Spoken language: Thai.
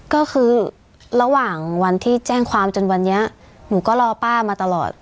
ก็คือระหว่างวันที่แจ้งความจนวันนี้หนูก็รอป้ามาตลอด